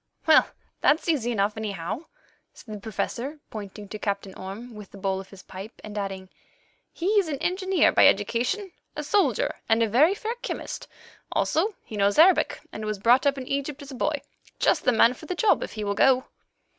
"Well, that's easy enough, anyhow," said the Professor, pointing to Captain Orme with the bowl of his pipe, and adding, "he is an engineer by education, a soldier and a very fair chemist; also he knows Arabic and was brought up in Egypt as a boy—just the man for the job if he will go."